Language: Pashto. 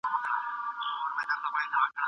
د دولت د کمزورتیا اسباب ډېر روښانه دي.